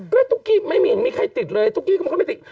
ก็ตุ๊กกี้ไม่มีใครติดเลยตุ๊กกี้มันก็ไม่ติด